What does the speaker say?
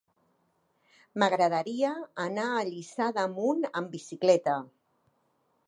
M'agradaria anar a Lliçà d'Amunt amb bicicleta.